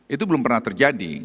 itu belum pernah terjadi